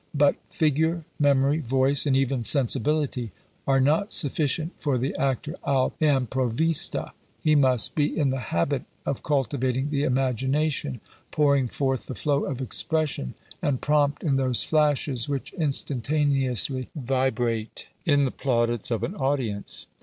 "But figure, memory, voice, and even sensibility, are not sufficient for the actor all' improvista; he must be in the habit of cultivating the imagination, pouring forth the flow of expression, and prompt in those flashes which instantaneously vibrate in the plaudits of an audience."